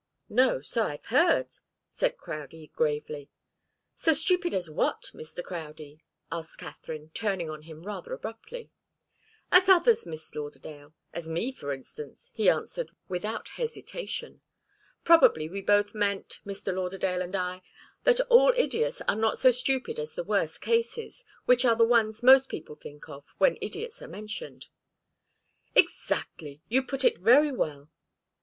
"No so I've heard," said Crowdie, gravely. "So stupid as what, Mr. Crowdie?" asked Katharine, turning on him rather abruptly. "As others, Miss Lauderdale as me, for instance," he answered, without hesitation. "Probably we both meant Mr. Lauderdale and I that all idiots are not so stupid as the worst cases, which are the ones most people think of when idiots are mentioned." "Exactly. You put it very well."